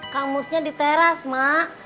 kamusnya di teras mak